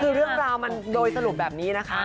คือเรื่องราวมันโดยสรุปแบบนี้นะคะ